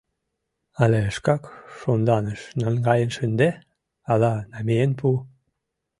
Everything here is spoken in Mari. Але шкак шонданыш наҥгаен шынде, але намиен пу.